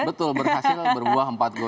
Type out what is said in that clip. betul berhasil berbuah empat gol